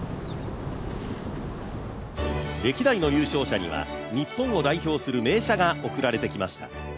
歴代の優勝者には日本を代表する名車が贈られてきました。